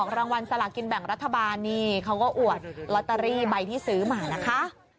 รางวัลสลากินแบ่งรัฐบาลนี่เขาก็อวดลอตเตอรี่ใบที่ซื้อมานะคะ